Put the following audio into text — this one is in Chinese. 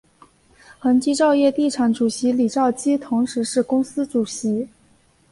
恒基兆业地产主席李兆基同时是公司主席。